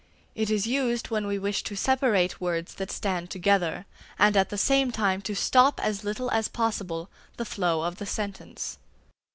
It is used when we wish to separate words that stand together, and at the same time to stop as little as possible the flow of the sentence.